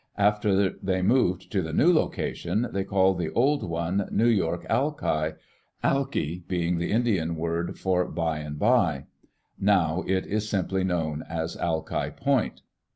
After they moved to the new location, they called th6 old one New York Alki — alki^ being the Indian word for by and by. Now it is simply known as Alki Point.